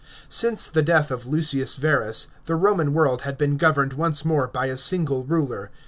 Since the death of Lucius Verus, the Roman world had been governed once more by a single ruler.